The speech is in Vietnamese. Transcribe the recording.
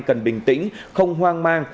cần bình tĩnh không hoang mang